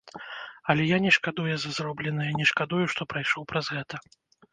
Але я не шкадуе за зробленае, не шкадую, што прайшоў праз гэта.